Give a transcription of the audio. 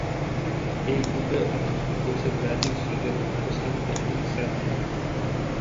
এই গ্রুপে অংশগ্রহণ করছে ব্রাজিল, সুইজারল্যান্ড, কোস্টা রিকা এবং সার্বিয়া।